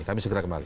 kami segera kembali